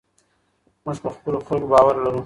موږ په خپلو خلکو باور لرو.